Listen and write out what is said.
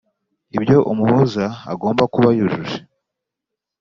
ibyo umuhuza agomba kuba yujuje